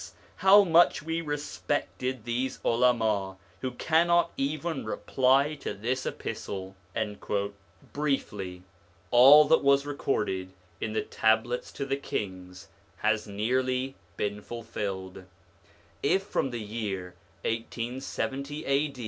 how much we respected these Ulama, who cannot even reply to this epistle/ Briefly, all that was recorded in the Tablets to the Kings has nearly been fulfilled: if from the year 1870 A.